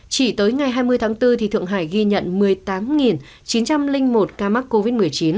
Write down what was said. chỉ tới ngày hai mươi tháng bốn thượng hải ghi nhận một mươi tám chín trăm linh một ca mắc covid một mươi chín